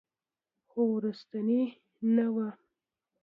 خو وروستۍ نه وه.